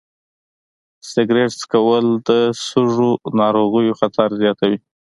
سګرټ څکول د سږو ناروغیو خطر زیاتوي.